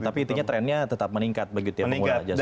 tapi intinya trendnya tetap meningkat begitu ya pengguna jasa